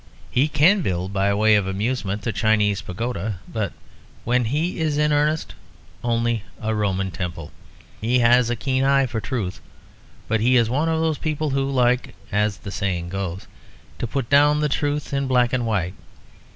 He can build, by way of amusement, a Chinese pagoda; but when he is in earnest, only a Roman temple. He has a keen eye for truth; but he is one of those people who like, as the saying goes, to put down the truth in black and white.